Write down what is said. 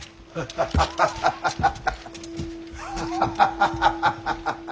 ハハハハハハハハ。